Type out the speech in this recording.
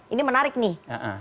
ini menarik nih